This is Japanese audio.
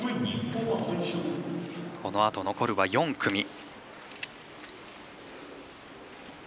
このあと、残るは４組。